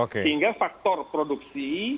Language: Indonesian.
sehingga faktor produksi